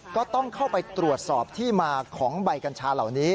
ก็ต้องเข้าไปตรวจสอบที่มาของใบกัญชาเหล่านี้